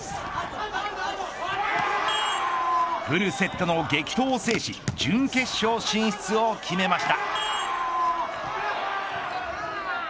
フルセットの激闘を制し準決勝進出を決めました。